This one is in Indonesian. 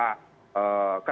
tersebut tidak bisa diperlukan